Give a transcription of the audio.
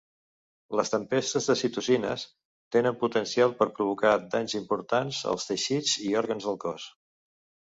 Les tempestes de citocines tenen potencial per provocar danys importants als teixits i òrgans del cos.